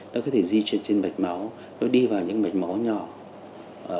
tôi có thể di chuyển trên mạch máu nó đi vào những mạch máu nhỏ